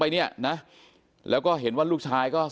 เป็นมีดปลายแหลมยาวประมาณ๑ฟุตนะฮะที่ใช้ก่อเหตุ